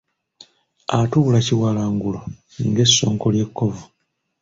Atuula kiwalangulo, ng’essonko ly’ekkovu.